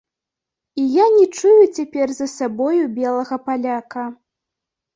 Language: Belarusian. І я не чую цяпер за сабою белага паляка.